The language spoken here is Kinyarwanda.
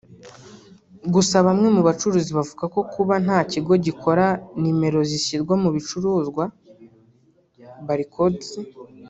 Gusa bamwe mu bacuruzi bavuga ko kuba nta kigo gikora nimero zishyirwa ku bicuruzwa (barcodes)